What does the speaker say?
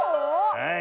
はい。